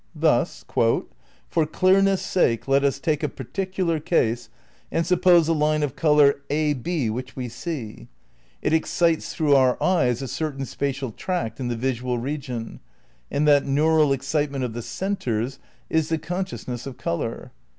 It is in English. ' The same, p. 67. •The same, p. 144. 202 THE NEW IDEALISM v Thus: "For clearness sake let us take a particular case and suppose a line of colour ab which we see. It excites through our eyes a certain spatial tract in the visual region ... and that neural ex citement of the centres is the consciousness of colour.